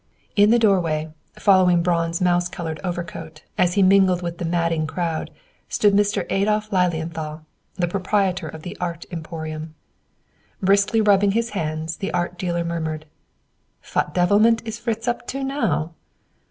In the doorway, following Braun's mouse colored overcoat, as he mingled with the "madding crowd," stood Mr. Adolph Lilienthal, the proprietor of the "Art Emporium." Briskly rubbing his hands, the art dealer murmured "Vot devilment is Fritz up to, now?"